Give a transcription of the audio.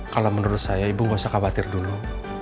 kalau menurut saya ibu nggak usah khawatir dulu